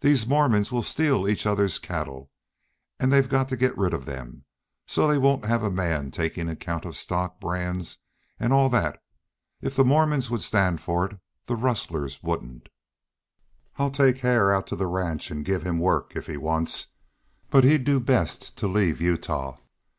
These Mormons will steal each other's cattle, and they've got to get rid of them; so they won't have a man taking account of stock, brands, and all that. If the Mormons would stand for it the rustlers wouldn't. I'll take Hare out to the ranch and give him work, if he wants. But he'd do best to leave Utah."